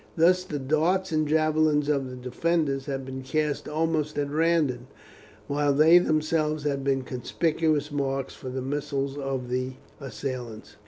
Thus the darts and javelins of the defenders had been cast almost at random, while they themselves had been conspicuous marks for the missiles of the assailants.